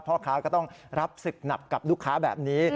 พ่อค้าก็ต้องรับศึกหนักกับลูกค้าแบบนี้